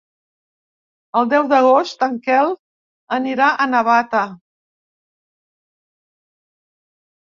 El deu d'agost en Quel anirà a Navata.